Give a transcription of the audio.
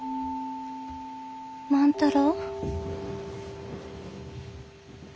万太郎？